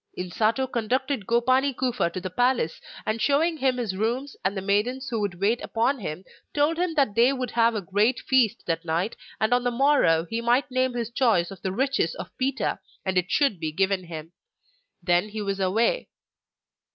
Insato conducted Gopani Kufa to the palace, and showing him his rooms, and the maidens who would wait upon him, told him that they would have a great feast that night, and on the morrow he might name his choice of the riches of Pita and it should be given him. Then he was away.